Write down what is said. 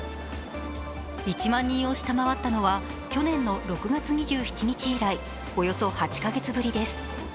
１万人を下回ったのは去年の６月２７日以来、およそ８か月ぶりです。